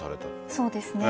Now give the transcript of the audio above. そうですね。